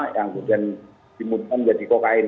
yang kemudian di mudah menjadi kokain